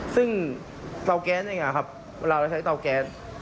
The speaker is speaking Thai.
ซึ่งเตาแก๊สเองครับเวลาเราใช้เตาแก๊ส